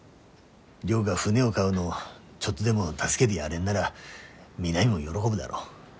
亮が船を買うのちょっとでも助けでやれんなら美波も喜ぶだろ。